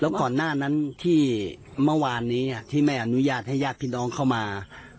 แล้วก่อนหน้านั้นที่ม้าวานนี้ถี่แม่อนุญาตให้แยกพี่น้ำเข้ามา